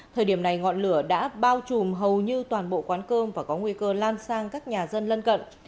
thời điểm này ngọn lửa đã bao trùm hầu như toàn bộ quán cơm và có nguy cơ lan sang các nhà dân lân cận